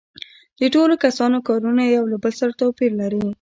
د ټولو کسانو کارونه یو له بل سره توپیر لري